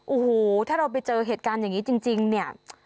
โอ้โหถ้าเราไปเจอเหตุการณ์อย่างนี้จริงเนี่ย